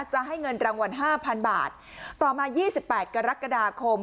จะให้เงินรางวัลห้าพันบาทต่อมายี่สิบแปดกรกฎาคม